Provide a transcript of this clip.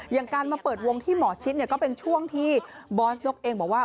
อย่างการมาเปิดวงที่หมอชิดก็เป็นช่วงที่บอสนกเองบอกว่า